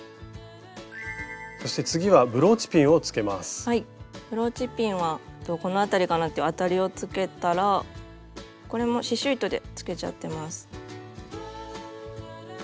ブローチピンはこの辺りかなっていうあたりをつけたらこれも刺しゅう糸でつけちゃってます。